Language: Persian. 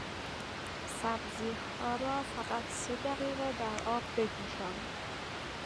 سبزیها را فقط سه دقیقه در آب بجوشان.